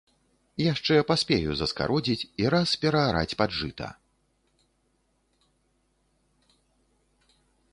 Яшчэ паспею заскародзіць і раз пераараць пад жыта.